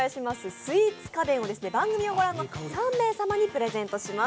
スイーツ家電を番組の御覧の３名様にプレゼントします。